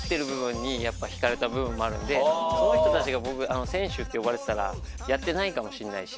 その人たちが選手って呼ばれてたらやってないかもしんないし。